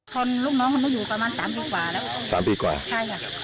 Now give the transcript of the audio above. ลูกน้องคนนี้อยู่ประมาณสามปีกว่าแล้วสามปีกว่าใช่ค่ะ